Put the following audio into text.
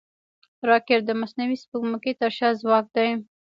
راکټ د مصنوعي سپوږمکۍ تر شا ځواک دی